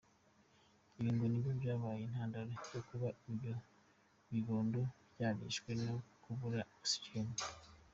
Ibi ngo nibyo byabaye intandaro yo kuba ibyo bibondo byarishwwe no kubura oxygene.